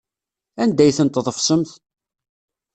Anda ay ten-tḍefsemt?